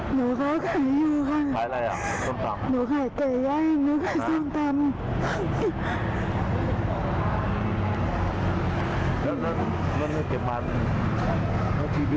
หนูเก็บบัญเงาทั้งชีวิต